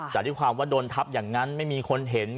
แต่ด้วยความว่าโดนทับอย่างนั้นไม่มีคนเห็น